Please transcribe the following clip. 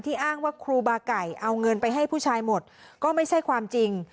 อ้างว่าครูบาไก่เอาเงินไปให้ผู้ชายหมดก็ไม่ใช่ความจริง